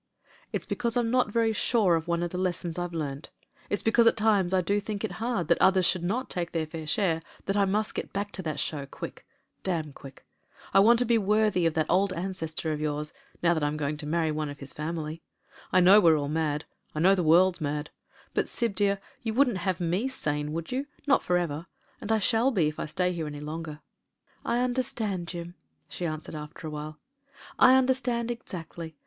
"It's because I'm not very sure of one of the lessons I've learnt: it's because at times I do think it hard thlt others should not take their fair share that I must get back to that show quick — damn quick. "I want to be worthy of that old ancestor of yours THE WOMAN AND THE MAN 253 — ^now that I'ln going to marry one of his family. I know we're all mad — I know the world's mad; but, Syb, dear, you wouldn't have me sane, would you; not for ever? And I shall be if I stay here any longer. ..." "I understand, Jim," she answered, after a while. "I understand exactly.